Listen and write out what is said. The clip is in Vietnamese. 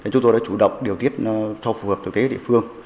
chúng tôi đã chủ động điều tiết cho phù hợp thực tế địa phương